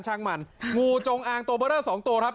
ช่างมันงูจงอางตัวเบอร์เดอร์๒ตัวครับ